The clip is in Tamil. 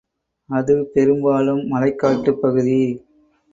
அது பெரும்பாலும் மலைக்காட்டுப் பகுதி.